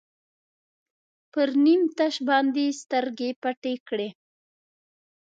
پر نیم تش باندې سترګې پټې کړئ.